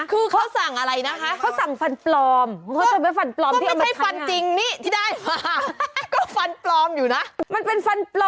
คือเค้าสั่งอะไรนะ